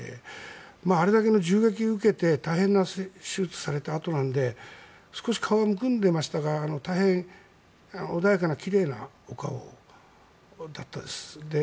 あれだけの銃撃を受けて大変な手術をされたあとなので少し顔がむくんでいましたが大変穏やかなきれいなお顔でした。